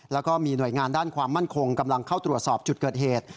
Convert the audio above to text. แล้วก็มีหน่วยงานด้านความมั่นคงกำลังเข้าตรวจสอบจุดเกิดเหตุ